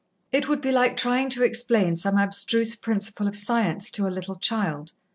It would be like trying to explain some abstruse principle of science to a little child.